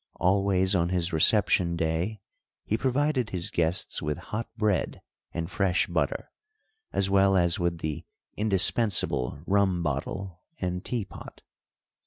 Always on his reception day he provided his guests with hot bread and fresh butter, as well as with the indispensable rum bottle and teapot.